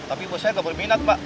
tapi bos saya gak berminat mbak